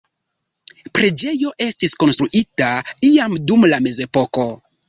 Preĝejo estis konstruita iam dum la mezepoko.